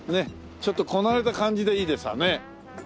ちょっとこなれた感じでいいですわね。